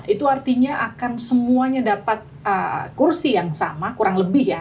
itu artinya akan semuanya dapat kursi yang sama kurang lebih ya